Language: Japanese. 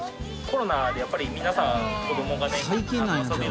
コロナでやっぱり皆さん子供がね